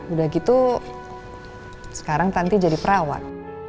udah gitu sekarang tanti jadi perawat